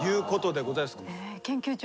研究長。